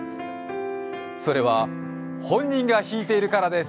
それは、本人が弾いているからです！